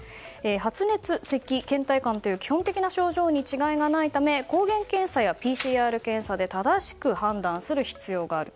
発熱、せき、倦怠感と基本的な症状に違いがないため抗原検査やＰＣＲ検査で正しく判断する必要がある。